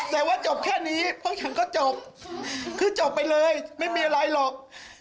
แต่ว่าจบแค่นี้พวกฉันก็จบคือจบไปเลยไม่มีอะไรหรอก